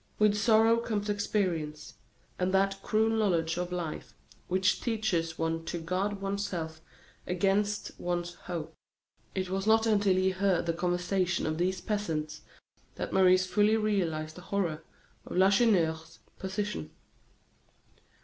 With sorrow comes experience, and that cruel knowledge of life which teaches one to guard one's self against one's hopes. It was not until he heard the conversation of these peasants that Maurice fully realized the horror of Lacheneur's position.